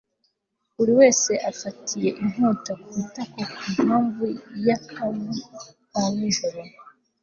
buri wese afatiye inkota ku itako ku mpamvu y'akamu ka nijoro